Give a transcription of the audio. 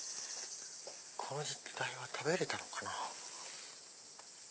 この時代は食べれたのかな？